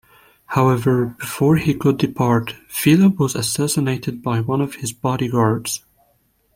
However, before he could depart, Philip was assassinated by one of his bodyguards.